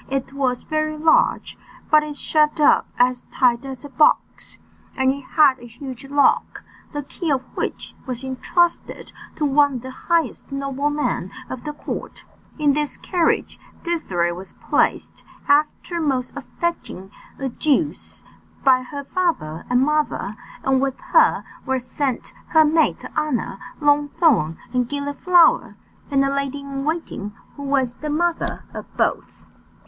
It was very large, but it shut up as tight as a box, and it had a huge lock, the key of which was entrusted to one of the highest noblemen of the court. In this carriage Désirée was placed, after most affecting adieus, by her father and mother; and with her were sent her maids of honour Longthorn and Gilliflower, and a lady in waiting, who was the mother of both.